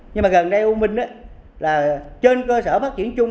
nhưng mà gần đây u minh là trên cơ sở phát triển chung